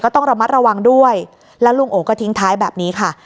ต้องระมัดระวังด้วยแล้วลุงโอก็ทิ้งท้ายแบบนี้ค่ะ